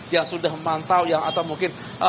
yang sudah memantau atau mungkin